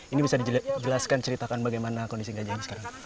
ini bisa dijelaskan ceritakan bagaimana kondisi gajah ini sekarang